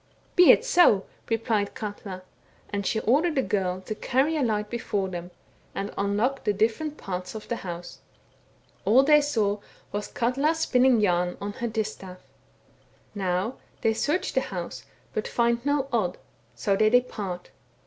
* Be it so,' replied Eatia, and she ordered a girl to carry a light before them, and unlock the different parts of the house. All they saw was Katla spinning yam off her distaff. Now they THE WERE WOLF IN THE NORTH. 31 search the house, but find no Odd, so they depart.